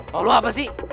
mau lo apa sih